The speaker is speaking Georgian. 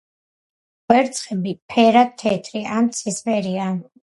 კვერცხები ფერად თეთრი ან ცისფერია.